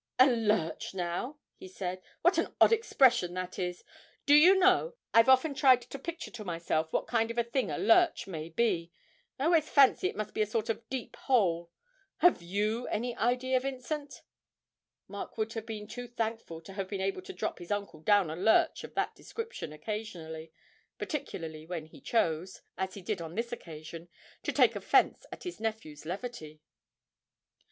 'A lurch now,' he said 'what an odd expression that is! Do you know, I've often tried to picture to myself what kind of a thing a lurch may be. I always fancy it must be a sort of a deep hole. Have you any idea, Vincent?' Mark would have been too thankful to have been able to drop his uncle down a lurch of that description occasionally, particularly when he chose, as he did on this occasion, to take offence at his nephew's levity.